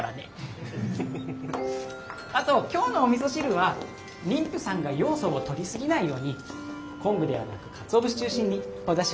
あと今日のおみそ汁は妊婦さんがヨウ素をとりすぎないように昆布ではなくかつお節中心におだしをとってみましょう。